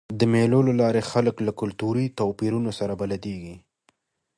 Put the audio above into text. د مېلو له لاري خلک له کلتوري توپیرونو سره بلدیږي.